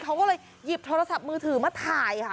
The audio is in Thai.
เขาก็เลยหยิบโทรศัพท์มือถือมาถ่ายค่ะ